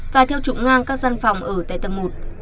và theo trục ngang các gian phòng ở tại tầng một